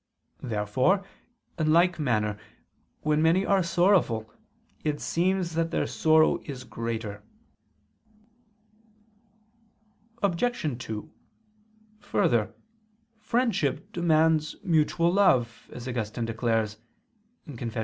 Therefore, in like manner, when many are sorrowful, it seems that their sorrow is greater. Obj. 2: Further, friendship demands mutual love, as Augustine declares (Confess.